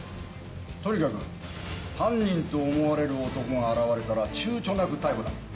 とにかく犯人と思われる男が現れたら躊躇なく逮捕だ。